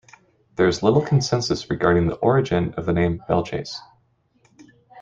There is little consensus regarding the origin of the name Belle Chasse.